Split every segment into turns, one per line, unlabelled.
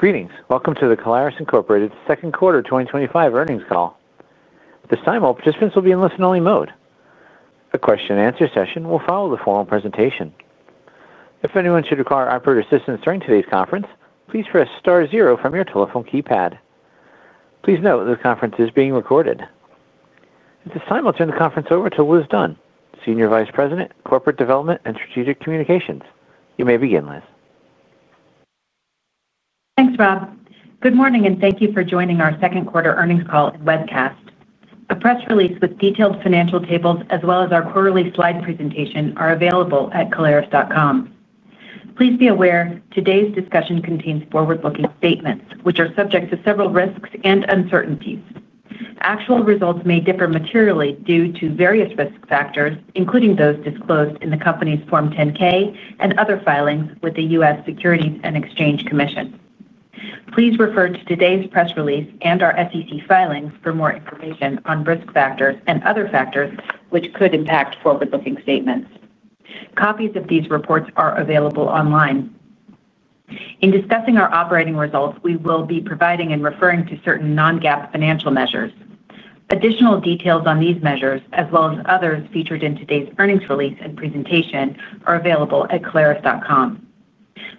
Greetings. Welcome to the Caleres Incorporated Second Quarter twenty twenty five Earnings Call. At this time, all participants will be in listen only mode. A question and answer session will follow the formal presentation. Please note this conference is being recorded. At this time, I'll turn the conference over to Liz Dunn, Senior Vice President, Corporate Development and Strategic Communications. You may begin, Liz.
Thanks, Rob. Good morning, and thank you for joining our second quarter earnings call and webcast. A press release with detailed financial tables as well as our quarterly slide presentation are available at caleris.com. Please be aware today's discussion contains forward looking statements, which are subject to several risks and uncertainties. Actual results may differ materially due to various risk factors, including those disclosed in the company's Form 10 ks and other filings with the U. S. Securities and Exchange Commission. Please refer to today's press release and our SEC filings for more information on risk factors and other factors, which could impact forward looking statements. Copies of these reports are available online. In discussing our operating results, we will be providing and referring to certain non GAAP financial measures. Additional details on these measures as well as others featured in today's earnings release and presentation are available at clarus.com.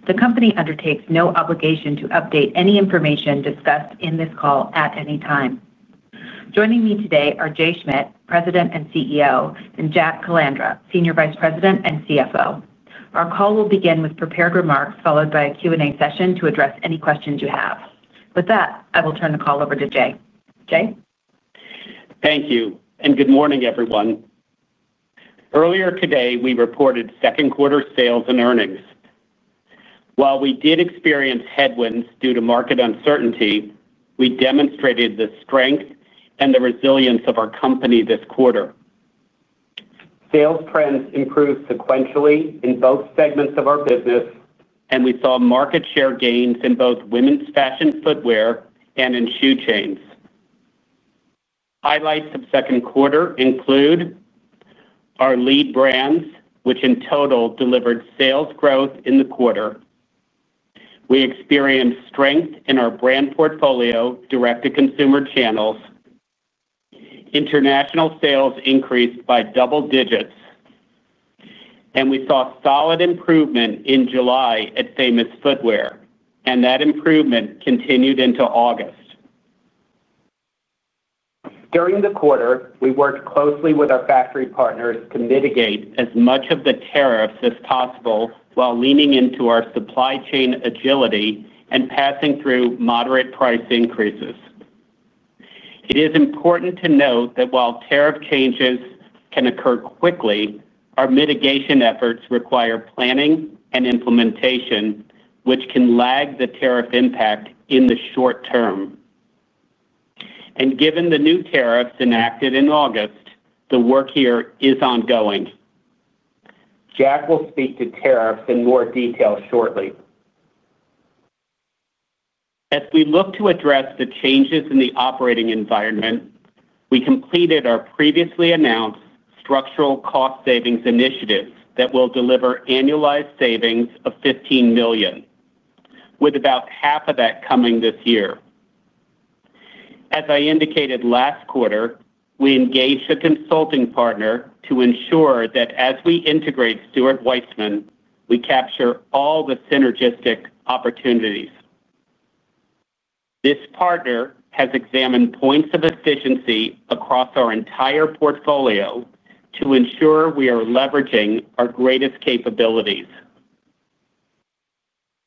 The company undertakes no obligation to update any information discussed in this call at any time. Joining me today are Jay Schmidt, President and CEO and Jack Calandra, Senior Vice President and CFO. Our call will begin with prepared remarks followed by a Q and A session to address any questions you have. With that, I will turn the call over to Jay. Jay?
Thank you, and good morning, everyone. Earlier today, we reported second quarter sales and earnings. While we did experience headwinds due to market uncertainty, we demonstrated the strength and the resilience of our company this quarter. Sales trends improved sequentially in both segments of our business and we saw market share gains in both women's fashion footwear and in shoe chains. Highlights of second quarter include our lead brands, which in total delivered sales growth in the quarter. We experienced strength in our brand portfolio direct to consumer channels. International sales increased by double digits and we saw solid improvement in July at Famous Footwear and that improvement continued into August. During the quarter, we worked closely with our factory partners to mitigate as much of the tariffs as possible while leaning into our supply chain agility and passing through moderate price increases. It is important to note that while tariff changes can occur quickly, our mitigation efforts require planning and implementation, which can lag the tariff impact in the short term. And given the new tariffs enacted in August, the work here is ongoing. Jack will speak to tariffs in more detail shortly. As we look to address the changes in the operating environment, we completed our previously announced structural cost savings initiatives that will deliver annualized savings of 15,000,000 with about half of that coming this year. As I indicated last quarter, we engaged a consulting partner to ensure that as we integrate Stuart Weitzman, we capture all the synergistic opportunities. This partner has examined points of efficiency across our entire portfolio to ensure we are leveraging our greatest capabilities.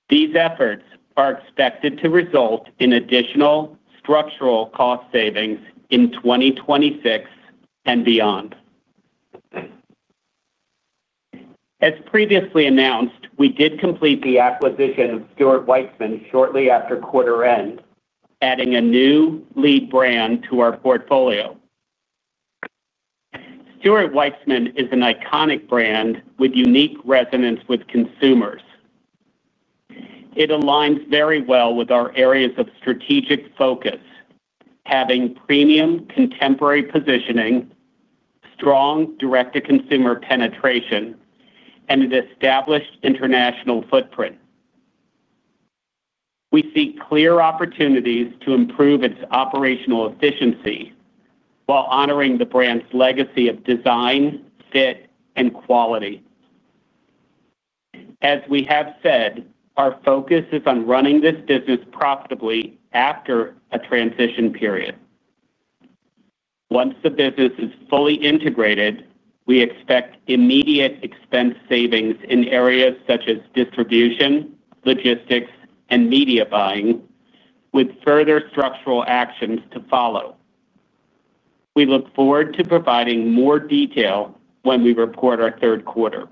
These efforts are expected to result in additional structural cost savings in 2026 and beyond. As previously announced, we did complete the acquisition of Stuart Weitzman shortly after quarter end adding a new lead brand to our portfolio. Stuart Weitzman is an iconic brand with unique resonance with consumers. It aligns very well with our areas of strategic focus, having premium contemporary positioning, strong direct to consumer penetration and an established international footprint. We see clear opportunities to improve its operational efficiency while honoring the brand's legacy of design, fit and quality. As we have said, our focus is on running this business profitably after a transition period. Once the business is fully integrated, we expect immediate expense savings in areas such as distribution, logistics and media buying with further structural actions to follow. We look forward to providing more detail when we report our third quarter.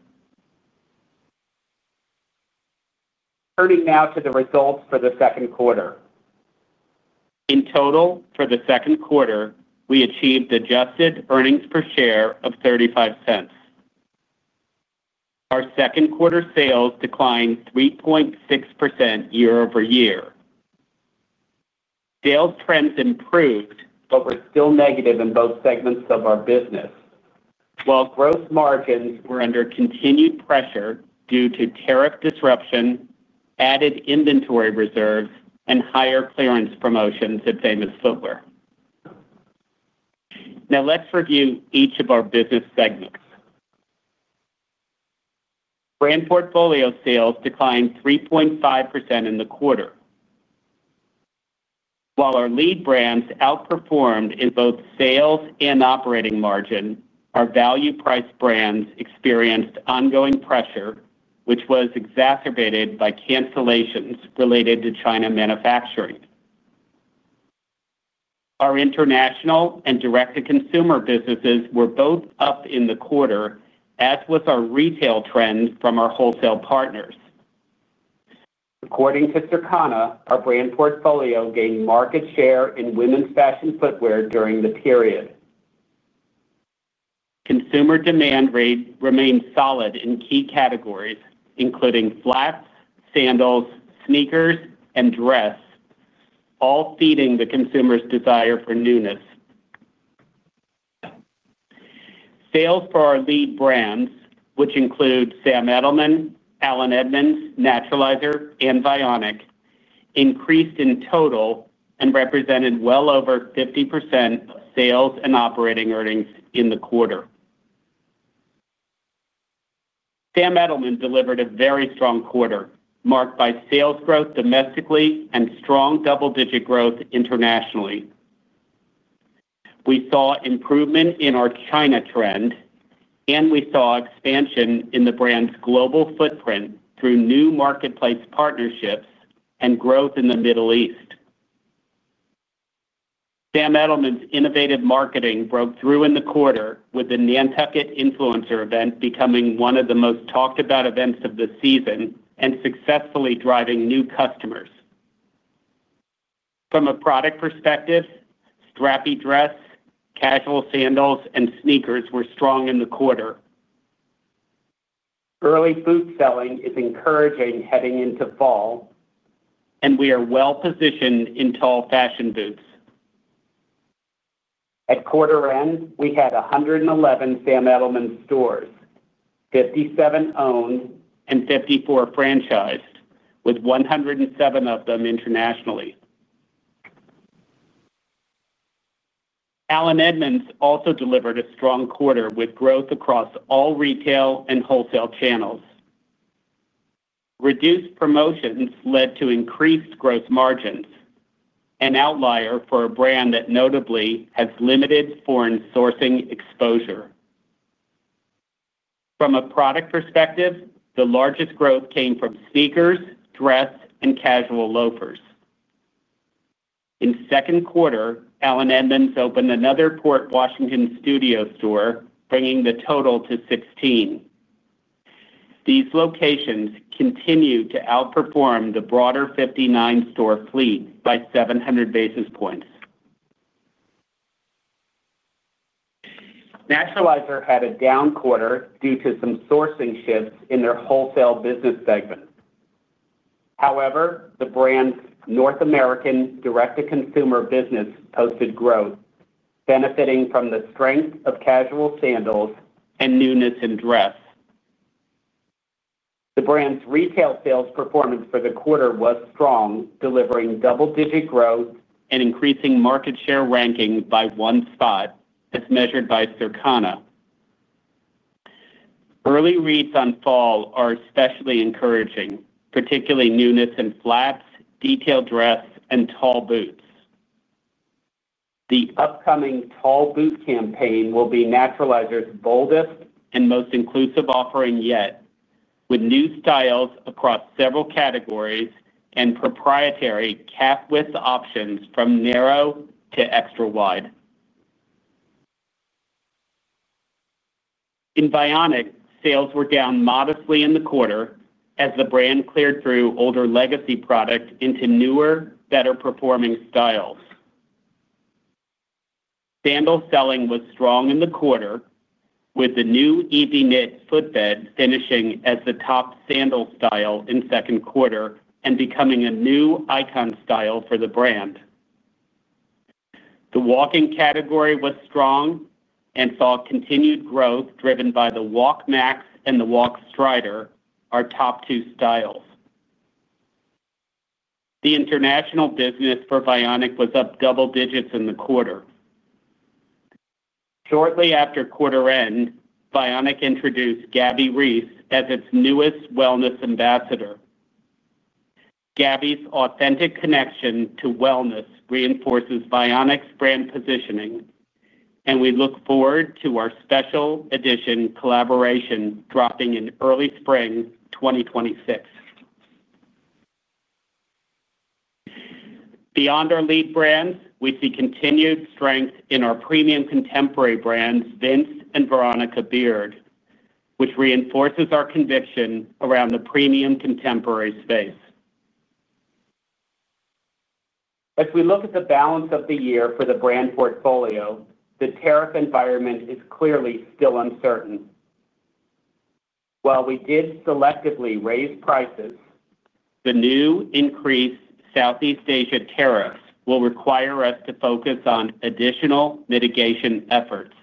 Turning now to the results for the second quarter. In total for the second quarter, we achieved adjusted earnings per share of $0.35 Our second quarter sales declined 3.6% year over year. Sales trends improved but were still negative in both segments of our business, while gross margins were under continued pressure due to tariff disruption, added inventory reserves and higher clearance promotions at Famous Footwear. Now let's review each of our business segments. Brand portfolio sales declined 3.5% in the quarter. While our lead brands outperformed in both sales and operating margin, our value priced brands experienced ongoing pressure, which was exacerbated by cancellations related to China manufacturing. Our international and direct to consumer businesses were both up in the quarter as was our retail trend from our wholesale partners. According to Turkana, our brand portfolio gained market share in women's fashion footwear during the period. Consumer demand rate remained solid in key categories, including flats, sandals, sneakers and dress, all feeding the consumers desire for newness. Sales for our lead brands which include Sam Edelman, Allen Edmonds, Naturalizer and Vionic increased in total and represented well over 50% of sales and operating earnings in the quarter. Sam Edelman delivered a very strong quarter marked by sales growth domestically and strong double digit growth internationally. We saw improvement in our China trend and we saw expansion in the brand's global footprint through new marketplace partnerships and growth in The Middle East. Sam Edelman's innovative marketing broke through in the quarter with the Nantucket influencer event becoming one of the most talked about events of the season and successfully driving new customers. From a product perspective, strappy dress, casual sandals and sneakers were strong in the quarter. Early food selling is encouraging heading into fall and we are well positioned in tall fashion boots. At quarter end, we had 111 Sam Edelman stores, 57 owned and 54 franchised with 107 of them internationally. Allen Edmonds also delivered a strong quarter with growth across all retail and wholesale channels. Reduced promotions led to increased gross margins, an outlier for a brand that notably has limited foreign sourcing exposure. From a product perspective, the largest growth came from sneakers, dress and casual loafers. In second quarter, Allen Edmonds opened another Port Washington studio store bringing the total to 16. These locations continue to outperform the broader 59 store fleet by 700 basis points. Naturalizer had a down quarter due to some sourcing shifts in their wholesale business segment. However, the brand's North American direct to consumer business posted growth benefiting from the strength of casual sandals and newness in dress. The brand's retail sales performance for the quarter was strong delivering double digit growth and increasing market share ranking by one spot as measured by Surcana. Early reads on fall are especially encouraging, particularly newness in flats, detailed dress and tall boots. The upcoming tall boot campaign will be Naturalizer's boldest and most inclusive offering yet with new styles across several categories and proprietary cap width options from narrow to extra wide. In Vionic, sales were down modestly in the quarter as the brand cleared through older legacy product into newer better performing styles. Sandal selling was strong in the quarter with the new easy knit footbed finishing as the top sandal style in second quarter and becoming a new icon style for the brand. The walking category was strong and saw continued growth driven by the Walk Max and the Walk Strider, our top two styles. The international business for Vionic was up double digits in the quarter. Shortly after quarter end Vionic introduced Gabby Reiss as its newest wellness ambassador. Gabby's authentic connection to wellness reinforces Vionic's brand positioning and we look forward to our special edition collaboration dropping in early spring twenty twenty six. Beyond our lead brands, we see continued strength in our premium contemporary brands Vince and Veronica Beard, which reinforces our conviction around the premium contemporary space. As we look at the balance of the year for the brand portfolio, the tariff environment is clearly still uncertain. While we did selectively raise prices, the new increased Southeast Asia tariffs will require us to focus on additional mitigation efforts.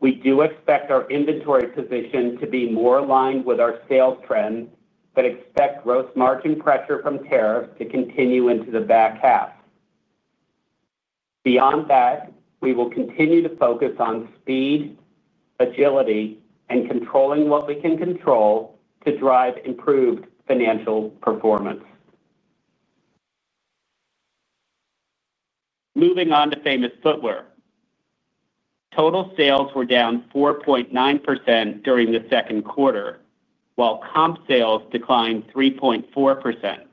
We do expect our inventory position to be more aligned with our sales trend, but expect gross margin pressure from tariffs to continue into the back half. Beyond that, we will continue to focus on speed, agility and controlling what we can control to drive improved financial performance. Moving on to Famous Footwear. Total sales were down 4.9% during the second quarter while comp sales declined 3.4%.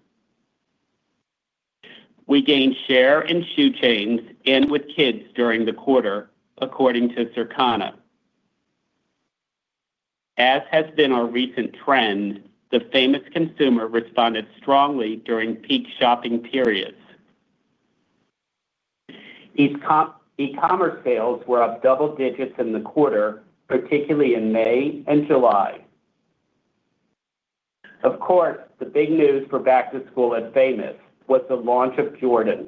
We gained share in shoe chains and with kids during the quarter according to Surcana. As has been our recent trend, the famous consumer responded strongly during peak shopping periods. E commerce sales were up double digits in the quarter, particularly in May and July. Of course, the big news for back to school at Famous was the launch of Jordan,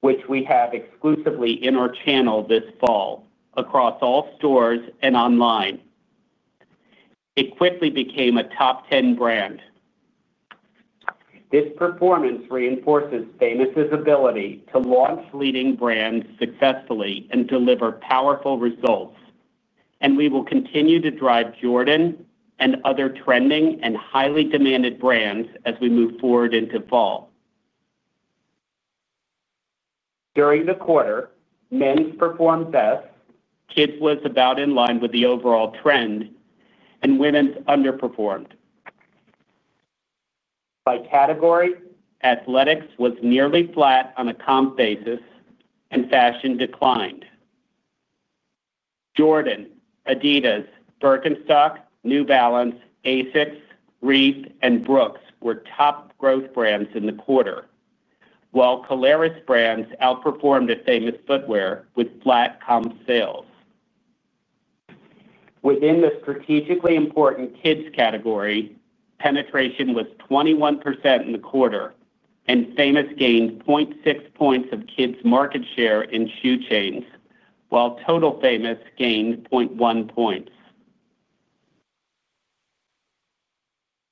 which we have exclusively in our channel this fall across all stores and online. It quickly became a top 10 brand. This performance reinforces Famous' ability to launch leading brands successfully and deliver powerful results. And we will continue to drive Jordan and other trending and highly demanded brands as we move forward into fall. During the quarter men's performed best, kids was about in line with the overall trend and women's underperformed. By category, athletics was nearly flat on a comp basis and fashion declined. Jordan, Adidas, Birkenstock, New Balance, Asics, Reef and Brooks were top growth brands in the quarter, while Caleres brands outperformed at Famous Footwear with flat comp sales. Within the strategically important kids category penetration was 21% in the quarter and Famous gained 0.6 points of kids market share in shoe chains while total Famous gained 0.1 points.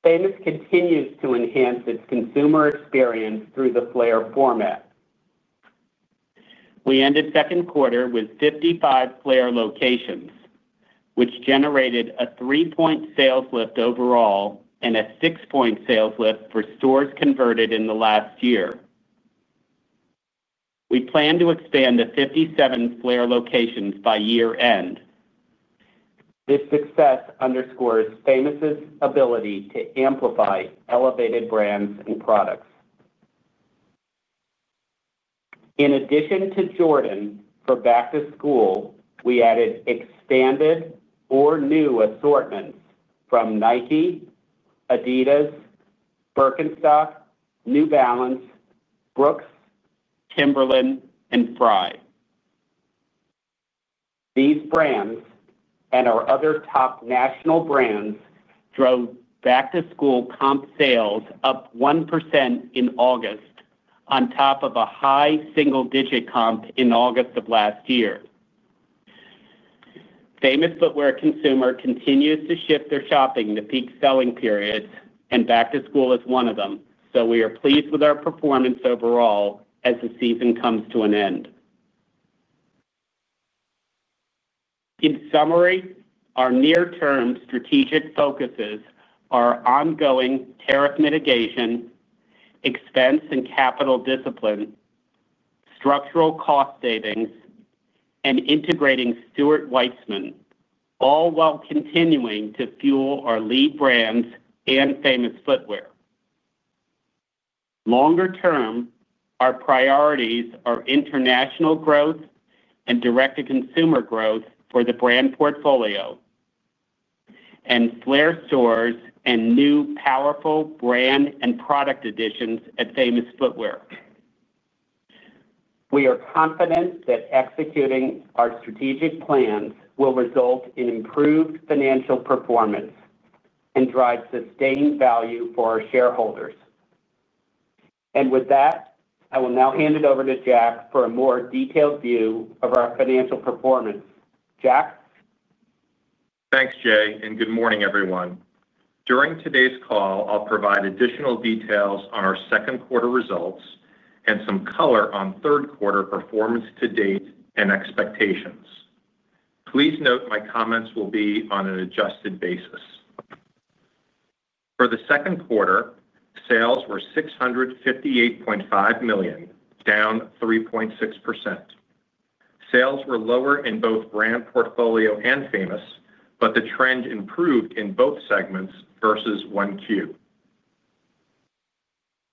Famous continues to enhance its consumer experience through the flare format. We ended second quarter with 55 flare locations which generated a three point sales lift overall and a six point sales lift for stores converted in the last year. We plan to expand the 57 Flair locations by year end. This success underscores Famous' ability to amplify elevated brands and products. In addition to Jordan for back to school, we added expanded or new assortments from Nike, Adidas, Birkenstock, New Balance, Brooks, Timberland and Fry. These brands and our other top national brands drove back to school comp sales up 1% in August on top of a high single digit comp in August. Famous footwear consumer continues to shift their shopping to peak selling periods and back to school is one of them. So we are pleased with our performance overall as the season comes to an end. In summary, our near term strategic focuses are ongoing tariff mitigation, expense and capital discipline, structural cost savings and integrating Stuart Weitzman, all while continuing to fuel our lead brands and Famous Footwear. Longer term our priorities are international growth and direct to consumer growth for the brand portfolio and flare stores and new powerful brand and product additions at Famous Footwear. We are confident that executing our strategic plans will result in improved financial performance and drive sustained value for our shareholders. And with that, I will now hand it over to Jack for a more detailed view of our financial performance. Jack?
Thanks, Jay, and good morning, everyone. During today's call, I'll provide additional details on our second quarter results and some color on third quarter performance to date and expectations. Please note my comments will be on an adjusted basis. For the second quarter, sales were $658,500,000 down 3.6%. Sales were lower in both Brand Portfolio and Famous, but the trend improved in both segments versus 1Q.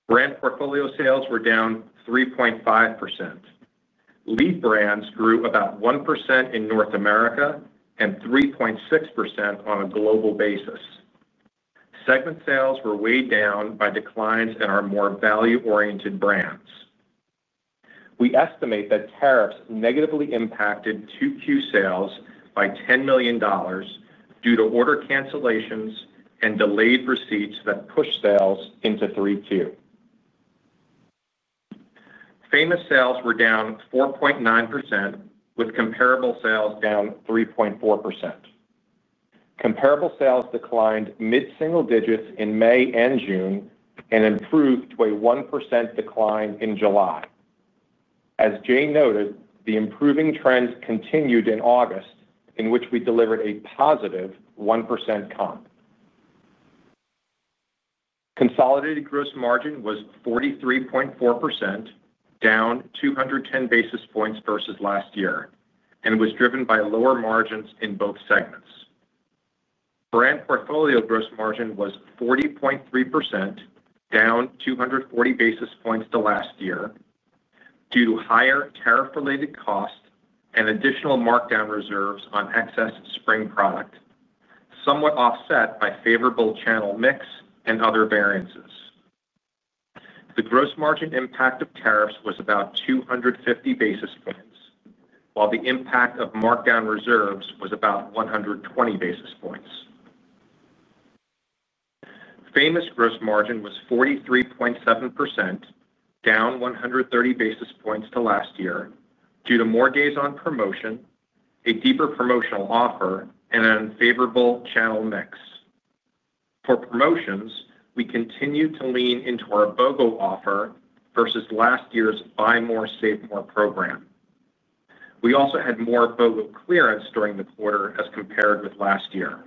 Brand Portfolio sales were down 3.5%. Lead brands grew about 1% in North America and 3.6% on a global basis. Segment sales were weighed down by declines in our more value oriented brands. We estimate that tariffs negatively impacted 2Q sales by $10,000,000 due to order cancellations and delayed receipts that pushed sales into 3Q. Famous sales were down 4.9% with comparable sales down 3.4%. Comparable sales declined mid single digits in May and June and improved to a 1% decline in July. As Jane noted, the improving trends continued in August in which we delivered a positive 1% comp. Consolidated gross margin was 43.4%, down two ten basis points versus last year and was driven by lower margins in both segments. Brand Portfolio gross margin was 40.3%, down two forty basis points to last year due to higher tariff related costs and additional markdown reserves on excess spring product, somewhat offset by favorable channel mix and other variances. The gross margin impact of tariffs was about two fifty basis points, while the impact of markdown reserves was about 120 basis points. Famous gross margin was 43.7%, down 130 basis points to last year due to more days on promotion, a deeper promotional offer and an unfavorable channel mix. For promotions, we continue to lean into our BOGO offer versus last year's Buy More, Save More program. We also had more BOGO clearance during the quarter as compared with last year.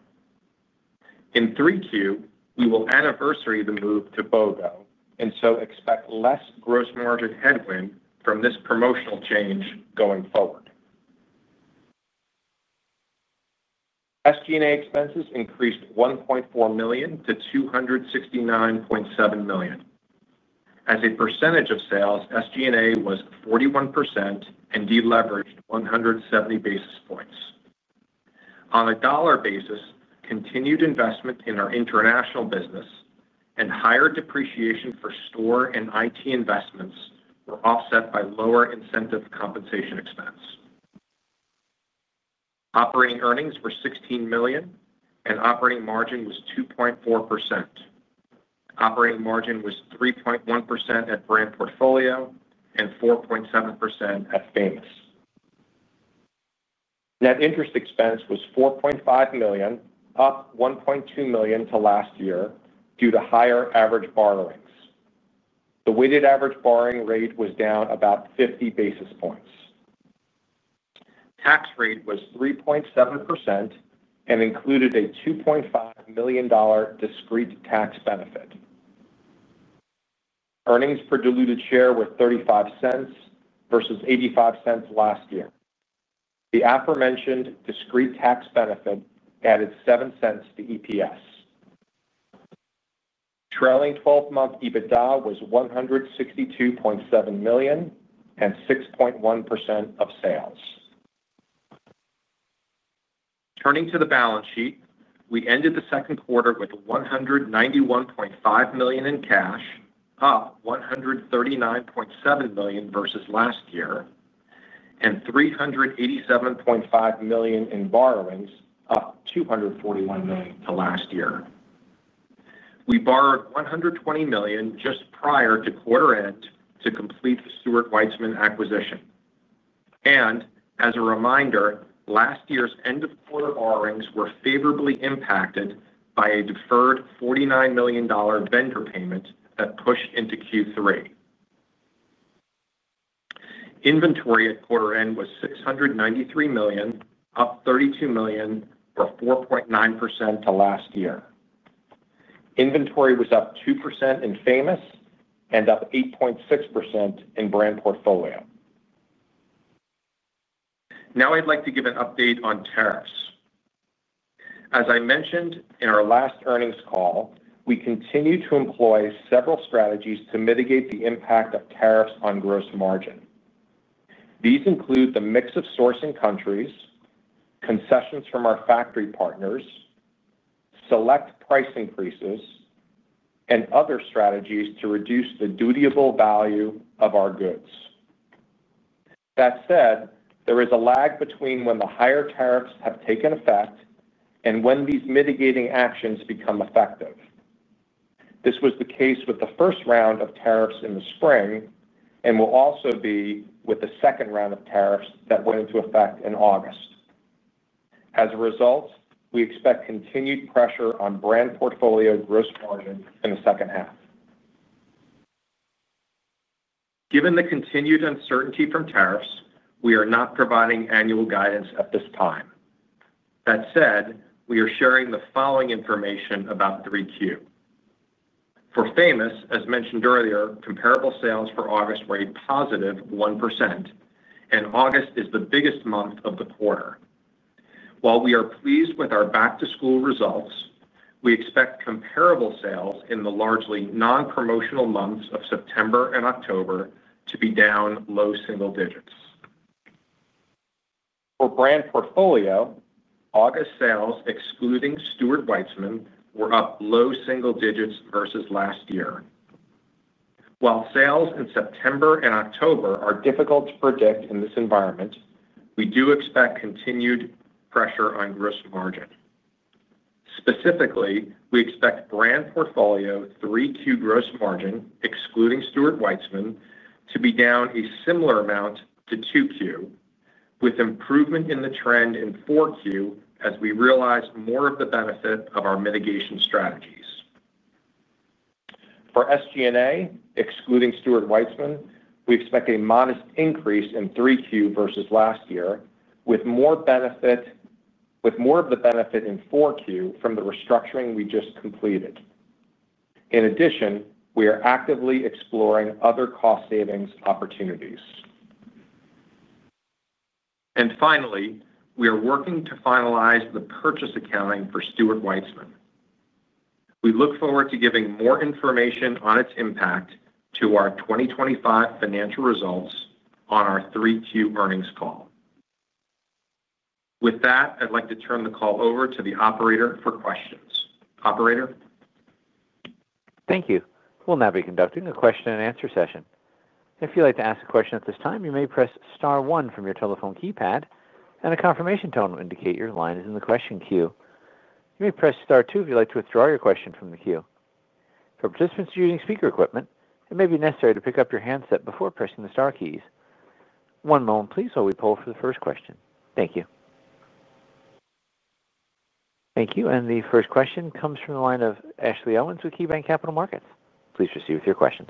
In 3Q, we will anniversary the move to BOGO and so expect less gross margin headwind from this promotional change going forward. SG and A expenses increased 1,400,000 to $269,700,000 As a percentage of sales, SG and A was 41% and deleveraged 170 basis points. On a dollar basis, continued investment in our international business and higher depreciation for store and IT investments were offset by lower incentive compensation expense. Operating earnings were $16,000,000 and operating margin was 2.4%. Operating margin was 3.1% at Brand Portfolio and 4.7% at Famous. Net interest expense was $4,500,000 up 1,200,000 to last year due to higher average borrowings. The weighted average borrowing rate was down about 50 basis points. Tax rate was 3.7% and included a $2,500,000 discrete tax benefit. Earnings per diluted share were $0.35 versus $0.85 last year. The aforementioned discrete tax benefit added $07 to EPS. Trailing twelve month EBITDA was $162,700,000 and 6.1% of sales. Turning to the balance sheet. We ended the second quarter with 191,500,000 in cash, up $139,700,000 versus last year and $387,500,000 in borrowings, up $241,000,000 to last year. We borrowed $120,000,000 just prior to quarter end to complete the Stuart Weitzman acquisition. And as a reminder, last year's end of quarter borrowings were favorably impacted by a deferred $49,000,000 vendor payment that pushed into Q3. Inventory at quarter end was $693,000,000 up $32,000,000 or 4.9% to last year. Inventory was up 2% in Famous and up 8.6% in Brand Portfolio. Now I'd like to give an update on tariffs. As I mentioned in our last earnings call, we continue to employ several strategies to mitigate the impact of tariffs on gross margin. These include the mix of sourcing countries, concessions from our factory partners, select price increases and other strategies to reduce the dutiable value of our goods. That said, there is a lag between when the higher tariffs have taken effect and when these mitigating actions become effective. This was the case with the first round of tariffs in the spring and will also be with the second round of tariffs that went into effect in August. As a result, we expect continued pressure on Brand Portfolio gross margin in the second half. Given the continued uncertainty from tariffs, we are not providing annual guidance at this time. That said, we are sharing the following information about 3Q. For Famous, as mentioned earlier, comparable sales for August were a positive 1%, and August is the biggest month of the quarter. While we are pleased with our back to school results, we expect comparable sales in the largely non promotional months of September and October to be down low single digits. For Brand Portfolio, August sales excluding Stuart Weitzman were up low single digits versus last year. While sales in September and October are difficult to predict in this environment, we do expect continued pressure on gross margin. Specifically, we expect Brand Portfolio 3Q gross margin, excluding Stuart Weitzman, to be down a similar amount to 2Q, with improvement in the trend in 4Q as we realized more of the benefit of our mitigation strategies. For SG and A, excluding Stuart Weitzman, we expect a modest increase in 3Q versus last year with more benefit with more of the benefit in 4Q from the restructuring we just completed. In addition, we are actively exploring other cost savings opportunities. And finally, we are working to finalize the purchase accounting for Stuart Weitzman. We look forward to giving more information on its impact to our 2025 financial results on our 3Q earnings call. With that, I'd like to turn the call over to the operator for questions. Operator?
Thank you. We'll now be conducting a question and answer session. Thank you. And the first question comes from the line of Ashley Owens with KeyBanc Capital Markets. Please proceed with your questions.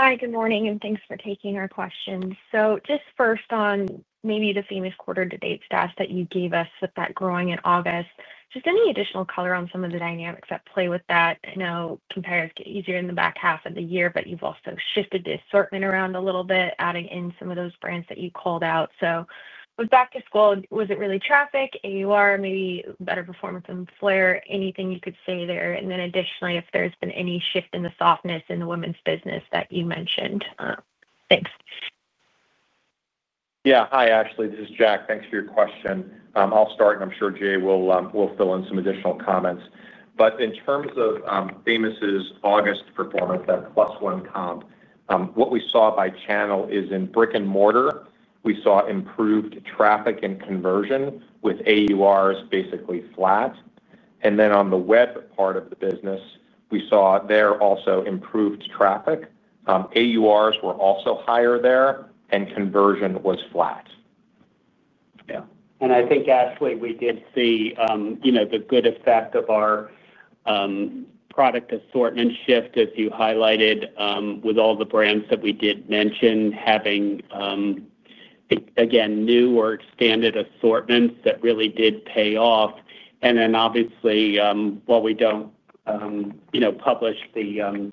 Hi, good morning and thanks for taking our questions. So just first on maybe the same as quarter to date stats that you gave us with that growing in August. Just any additional color on some of the dynamics that play with that? I know compares get easier in the back half of the year, but you've also shifted the assortment around a little bit, adding in some of those brands that you called out. So with back to school, was it really traffic AUR, maybe better performance than Flair? Anything you could say there? And then additionally, if there's been any shift in the softness in the women's business that you mentioned? Thanks.
Hi, Ashley. This is Jack. Thanks for your question. I'll start and I'm sure Jay will fill in some additional comments. But in terms of Famous' August performance, that plus one comp, what we saw by channel is in brick and mortar, we saw improved traffic and conversion with AURs basically flat. And then on the web part of the business, we saw there also improved traffic. AURs were also higher there and conversion was flat.
I think, Ashley, we did see the good effect of our product assortment shift, as you highlighted, with all the brands that we did mention, having, again, new or expanded assortments that really did pay off. And then obviously, while we don't publish the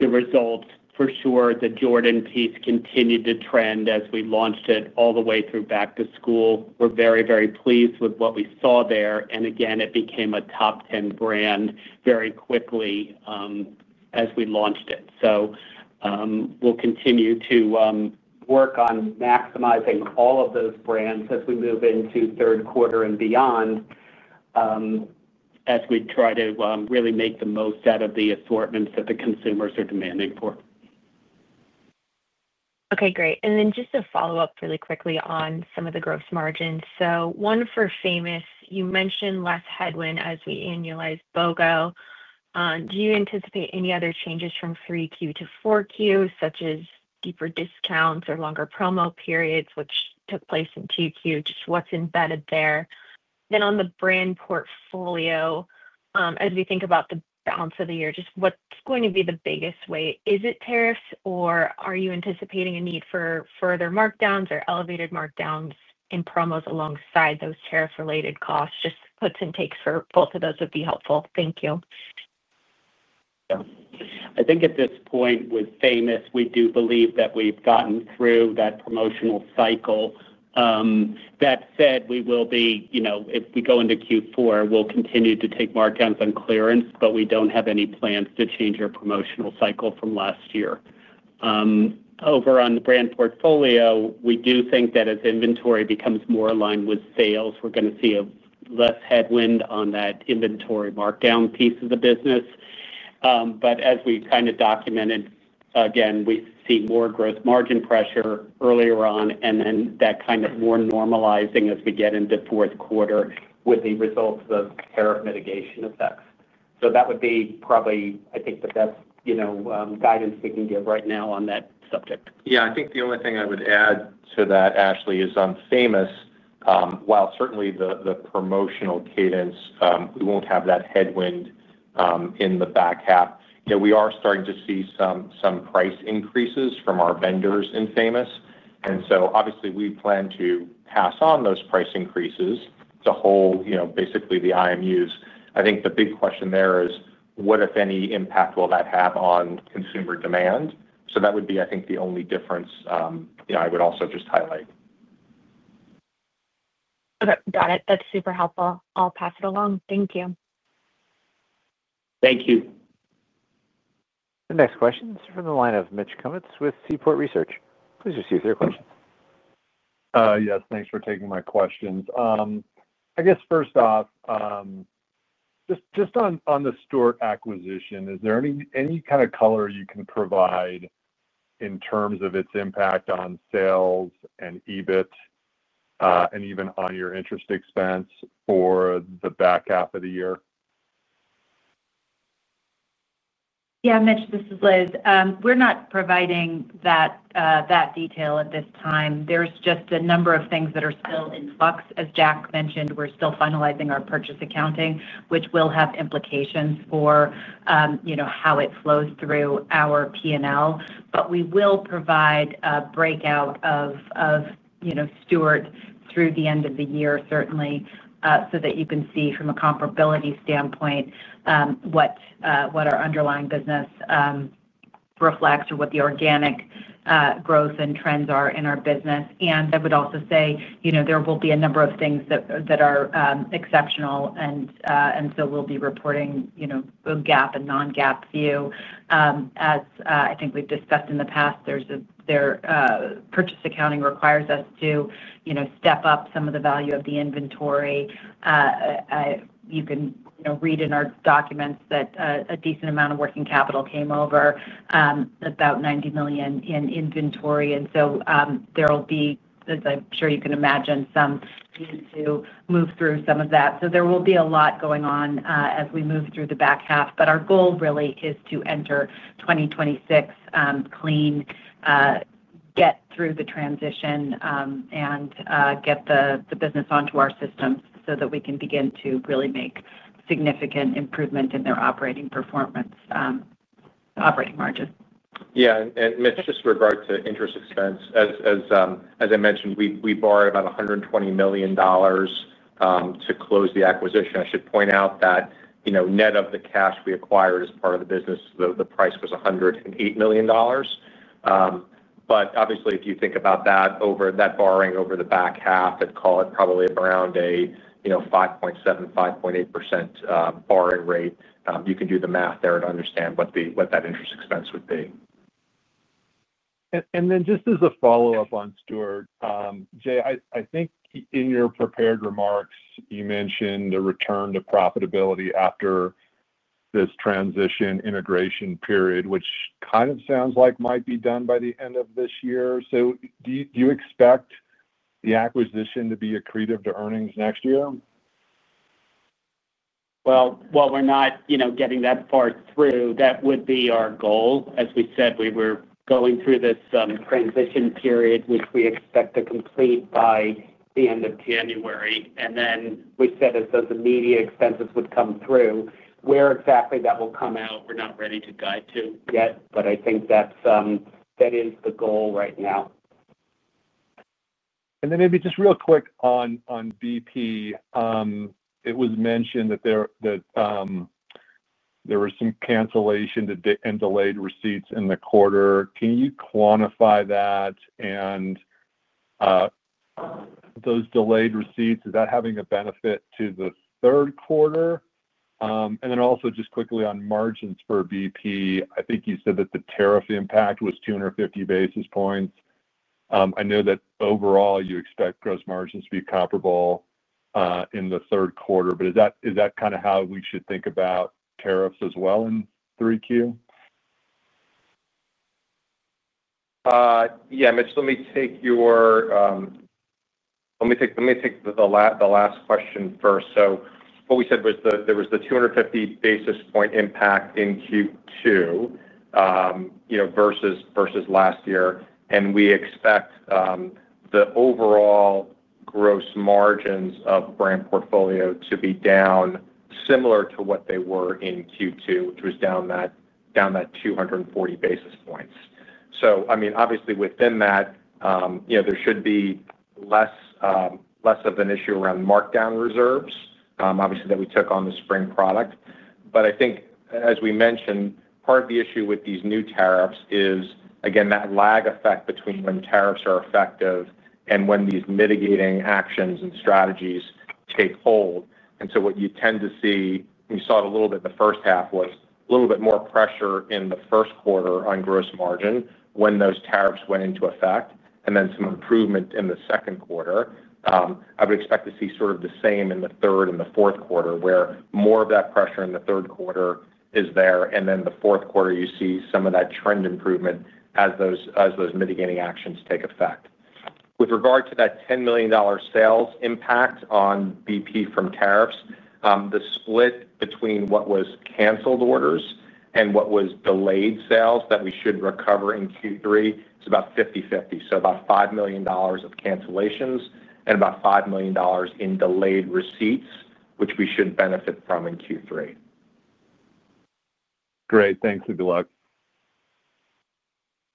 results, for sure, the Jordan piece continued to trend as we launched it all the way through back to school. We're very, very pleased with what we saw there. And again, it became a top 10 brand very quickly as we launched it. So we'll continue to work on maximizing all of those brands as we move into third quarter and beyond as we try to really make the most out of the assortments that the consumers are demanding for.
Okay, great. And then just a follow-up really quickly on some of the gross margins. So one for Famous, you mentioned less headwind as we annualize BOGO. Do you anticipate any other changes from 3Q to 4Q such as deeper discounts or longer promo periods, which took place in 2Q? Just what's embedded there? Then on the brand portfolio, as we think about the balance of the year, just what's going to be the biggest way? Is it tariffs? Or are you anticipating a need for further markdowns or elevated markdowns in promos alongside those tariff related costs? Just puts and takes for both of those would be helpful. Thank you.
I think at this point with Famous, we do believe that we've gotten through that promotional cycle. That said, we will be if we go into Q4, we'll continue to take markdowns on clearance, but we don't have any plans to change our promotional cycle from last year. Over on the brand portfolio, we do think that as inventory becomes more aligned with sales, we're going to see a less headwind on that inventory markdown piece of the business. But as we kind of documented, again, we see more gross margin pressure earlier on and then that kind of more normalizing as we get into fourth quarter with the results of tariff mitigation effects. So that would be probably, I think, the best guidance we can give right now on that subject. Yes. I think the only thing
I would add to that, Ashley, is on Famous. While certainly the promotional cadence, we won't have that headwind in the back half. We are starting see some price increases from our vendors in Famous. And so obviously, we plan to pass on those price increases to hold basically the IMUs. I think the big question there is what, if any, impact will that have on consumer demand. So that would be, I think, the only difference I would also just highlight.
Okay. Got it. That's super helpful. I'll pass it along. Thank you.
Thank you.
The next question is from the line of Mitch Kummetz with Seaport Research. Please proceed with your question.
Yes. Thanks for taking my questions. I guess first off, just on the Stewart acquisition, is there any kind of color you can provide in terms of its impact on sales and EBIT and even on your interest expense for the back half of the year?
Yes, Mitch, this is Liz. We're not providing that detail at this time. There's just a number of things that are still in flux. As Jack mentioned, we're still finalizing our purchase accounting, which will have implications for how it flows through our P and L. But we will provide a breakout of Stuart through the end of the year certainly, so that you can see from a comparability standpoint what our underlying business reflects or what the organic growth and trends are in our business. And I would also say there will be a number of things that are exceptional, and so we'll be reporting both GAAP and non GAAP view. As I think we've discussed in the past, there's their purchase accounting requires us step up some of the value of the inventory. You can read in our documents that a decent amount of working capital came over, about $90,000,000 in inventory. And so there will be, as I'm sure you can imagine, some to move through some of that. So there will be a lot going on as we move through the back half. But our goal really is to enter twenty twenty six clean, get through the transition and get the business onto our systems so that we can begin to really make significant improvement in their operating performance operating margin.
Yes. Mitch, just with regard to interest expense, as I mentioned, we borrowed about $120,000,000 to close the acquisition. I should point out that net of the cash we acquired as part of the business, the price was $108,000,000 But obviously, if you think about that over that borrowing over the back half, let's call it probably around a 5.7 percent, 5.8% borrowing rate, you can do the math there to understand what that interest expense would be.
And then just as a follow-up on Stuart. Jay, I think in your prepared remarks, you mentioned the return to profitability after this transition integration period, which kind of sounds like might be done by the end of this year. So do expect the acquisition to be accretive to earnings next year?
We're not getting that That would be our goal. As we said, we were going through this transition period, which we expect to complete by the January. And then we said that those immediate expenses would come through. Where exactly that will come out, we're not ready to guide to yet, but I think that is the goal right now.
And then maybe just real quick on BP. It was mentioned that there were some cancellation and delayed receipts in the quarter. Can you quantify that? And those delayed receipts, is that having a benefit to the third quarter? And then also just quickly on margins for BP, I think you said that the tariff impact was two fifty basis points. I know that overall you expect gross margins to be comparable in the third quarter, but is that kind of how we should think about tariffs as well in 3Q?
Mitch. Let me take your let me take the last question first. So what we said was there was the two fifty basis point impact in Q2 versus last year, and we expect the overall gross margins of the Brand Portfolio to be down similar to what they were in Q2, which was down that two forty basis points. So I mean, obviously, within that, there should be less of an issue around markdown reserves, obviously, that we took on the spring product. But I think as we mentioned, part of the issue with these new tariffs is again that lag effect between when tariffs are effective and when these mitigating actions and strategies take hold. And so what you tend to see, we saw it a little bit in the first half was a little bit more pressure in the first quarter on gross margin when those tariffs went into effect and then some improvement in the second quarter. I would expect to see sort of the same in the third and the fourth quarter where more of that pressure in the third quarter is there. And then the fourth quarter, you see some of that trend improvement as those mitigating actions take effect. With regard to that $10,000,000 sales impact on BP from tariffs, the split between what was canceled orders and what was delayed sales that we should recover in Q3 about fifty-fifty. So about $5,000,000 of cancellations and about $5,000,000 in delayed receipts, which we should benefit from in Q3.
Great. Thanks and good luck.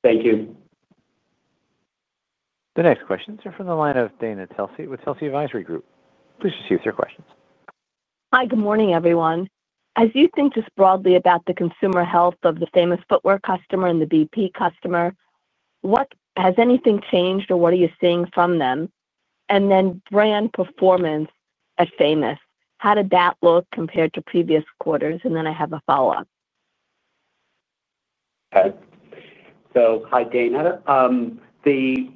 Thank you.
The next questions are from the line of Dana Telsey with Telsey Advisory Group. Please proceed with your question.
Hi, good morning everyone. As you think just broadly about the consumer health of the Famous Footwear customer and the BP customer, What has anything changed or what are you seeing from them? And then brand performance at Famous, how did that look compared to previous quarters? And then I have a follow-up.
Hi, Dana. The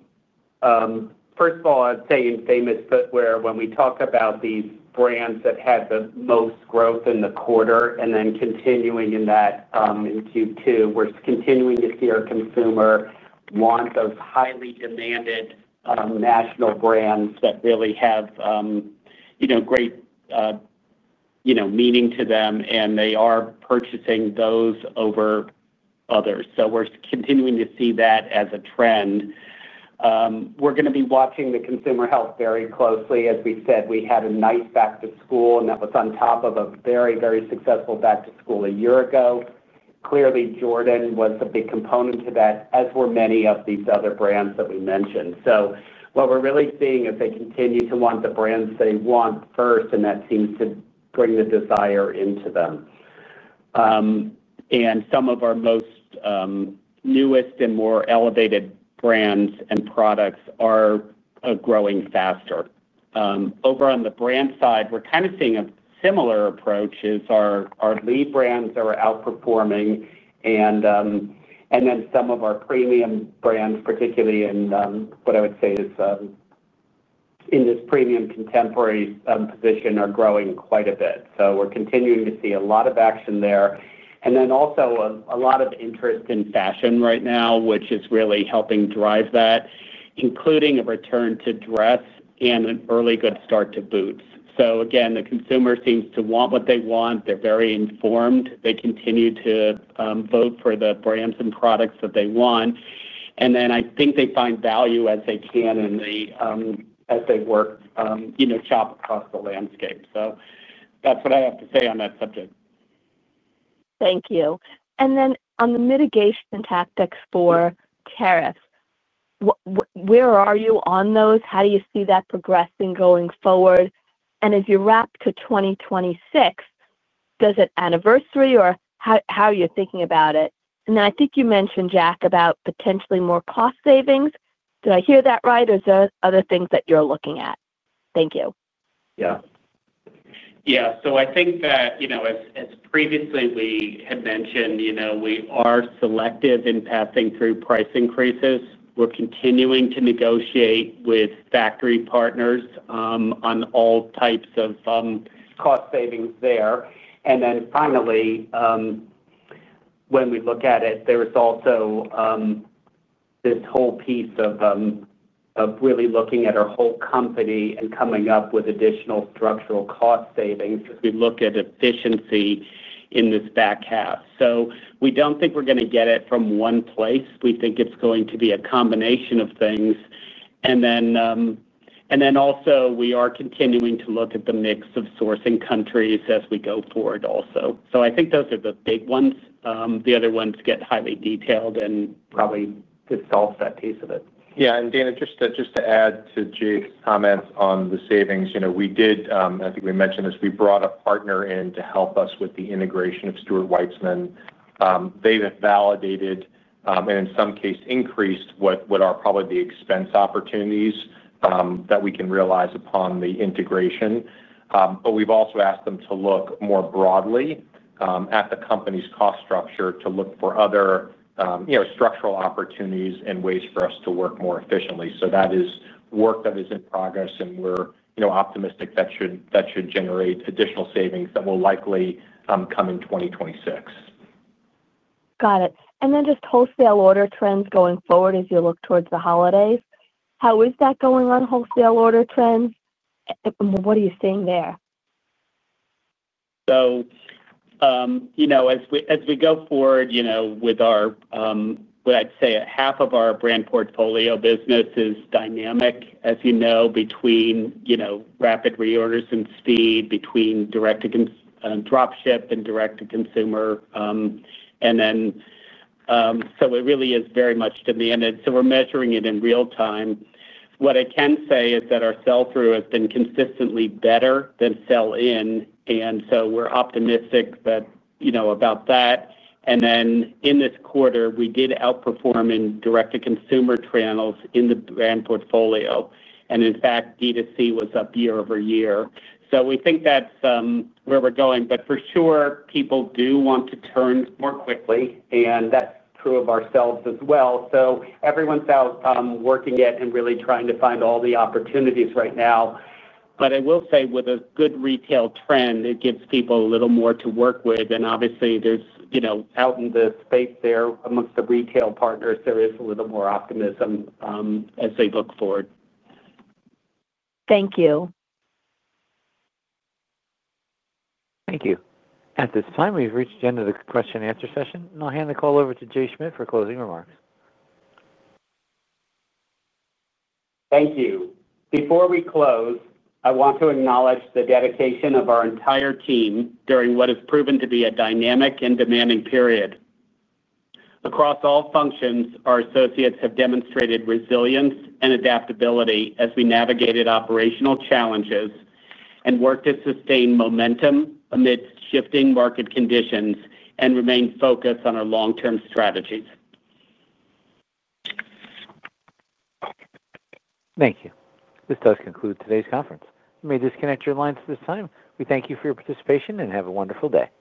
first of all, I'd say in Famous Footwear, when we talk about these brands that had the most growth in the quarter and then continuing in that in Q2. We're continuing to see our consumer want those highly demanded national brands that really have great meaning to them, and they are purchasing those over others. So we're continuing to see that as a trend. We're going to be watching the consumer health very closely. As we said, we had a nice back to school and that was on top of a very, very successful back to school a year ago. Clearly, Jordan was a big component to that as were many of these other brands that we mentioned. So what we're really seeing is they continue to want the brands they want first, and that seems to bring the desire into them. And some of our most newest and more elevated brands and products are growing faster. Over on the brand side, we're kind of seeing a similar approach as our lead brands are outperforming. And then some of our premium brands, particularly in what I would say is in this premium contemporary position are growing quite a bit. So we're continuing to see a lot of action there. And then also a lot of interest in fashion right now, which is really helping drive that, including a return to dress and an early good start to boots. So again, the consumer seems to want what they want. They're very informed. They continue to vote for the brands and products that they want. And then I think they find value as they can in the as they work shop across the landscape. So that's what I have to say on that subject.
Thank you. And then on the mitigation tactics for tariffs, where are you on those? How do you see that progressing going forward? And as you wrap to 2026, does it anniversary? Or how are you thinking about it? And I think you mentioned, Jack, about potentially more cost savings. Did I hear that right? Or is there other things that you're looking at? Yes.
Yes. So I think that as previously we had mentioned, we are selective in passing through price increases. We're continuing to negotiate with factory partners on all types of cost savings there. And then finally, when we look at it, there is also this whole piece of really looking at our whole company and coming up with additional structural cost savings as we look at efficiency in this back half. So we don't think we're going to get it from one place. We think it's going to be a combination of things. And then also, we are continuing to look at the mix of sourcing countries as we go forward also. So I think those are the big ones. The other ones get highly detailed and probably dissolves that piece of it.
Yes. And Dana, just to add to Jake's comments on the savings, we did I think we mentioned this, we brought a partner in to help us with the integration of Stuart Weitzman. They've validated and in some case increased what are probably the expense opportunities that we can realize upon the integration. But we've also asked them to look more broadly at the company's cost structure to look for other structural opportunities and ways for us to work more efficiently. So that is work that is in progress, we're optimistic that should generate additional savings that will likely come in 2026.
Got it. And then just wholesale order trends going forward as you look towards the holidays. How is that going on wholesale order trends? What are you seeing there?
So as we go forward with our what I'd say half of our brand portfolio business is dynamic as you know between rapid reorders and speed between direct to drop ship and direct to consumer. And then so it really is very much demand. So we're measuring it in real time. What I can say is that our sell through has been consistently better than sell in. And so we're optimistic about that. And then in this quarter, we did outperform in direct to consumer channels in the brand portfolio. And in fact, D2C was up year over year. So we think that's where we're going. But for sure, people do want to turn more quickly, and that's true of ourselves as well. So everyone's out working yet and really trying to find all the opportunities right now. But I will say with a good retail trend, it gives people a little more to work with. And obviously, there's out in the space there amongst the retail partners, there is a little more optimism as they look forward.
Thank you.
Thank you. At this time, we've reached the end of the question and answer session. And I'll hand the call over to Jay Schmidt for closing remarks.
Thank you. Before we close, I want to acknowledge the dedication of our entire team during what has proven to be a dynamic and demanding period. Across all functions our associates have demonstrated resilience and adaptability as we navigated operational challenges and work to sustain momentum amid shifting market conditions and remain focused on our long term strategies.
Thank you. This does conclude today's conference. You may disconnect your lines at this time. We thank you for your participation and have a wonderful day.